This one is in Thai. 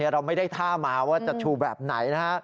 เราไม่ได้ท่ามาว่าจะชูแบบไหนนะฮะ